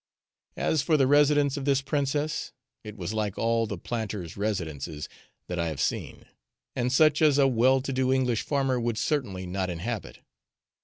As for the residence of this princess, it was like all the planters' residences that I have seen, and such as a well to do English farmer would certainly not inhabit.